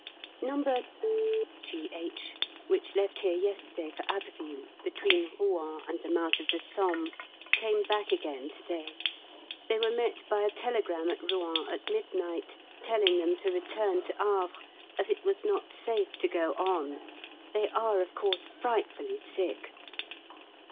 No. G.H., which left here yesterday for Abbeville, between Rouen and the mouth of the Somme, came back again to day. They were met by a telegram at Rouen at midnight, telling them to return to Havre, as it was not safe to go on. They are of course frightfully sick.